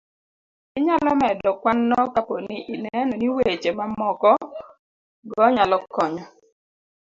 inyalo medo kwanno kapo ni ineno ni weche mamoko go nyalo konyo